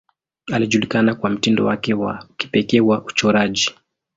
Alijulikana kwa mtindo wake wa kipekee wa uchoraji.